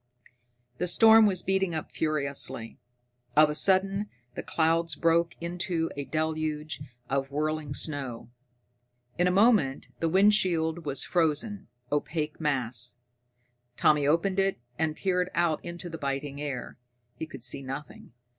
The storm was beating up furiously. Of a sudden the clouds broke into a deluge of whirling snow. In a moment the windshield was a frozen, opaque mass. Tommy opened it, and peered out into the biting air. He could see nothing....